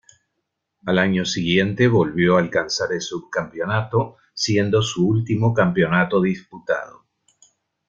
Al año siguiente volvió a alcanzar el subcampeonato, siendo su último campeonato disputado.